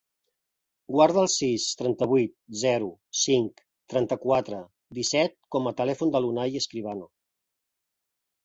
Guarda el sis, trenta-vuit, zero, cinc, trenta-quatre, disset com a telèfon de l'Unai Escribano.